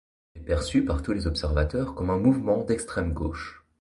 Il est perçu par tous les observateurs comme un mouvement d'extrême gauche.